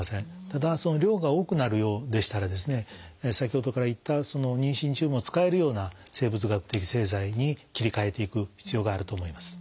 ただその量が多くなるようでしたら先ほどから言った妊娠中も使えるような生物学的製剤に切り替えていく必要があると思います。